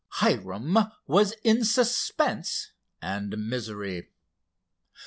Hiram was in suspense and misery.